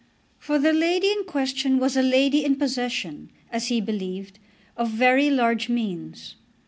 For the lady in question was a lady in possession, as he believed, of very large means.